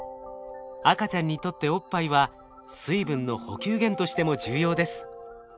赤ちゃんにとっておっぱいは水分の補給源としても重要です。